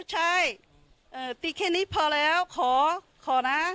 เขาตีกันก็กลัวนะเข้าบ้าน